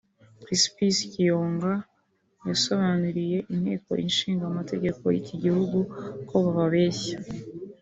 Crispus Kiyonga yasobanuriye Inteko ishingamamtegeko y’iki gihugu ko babeshya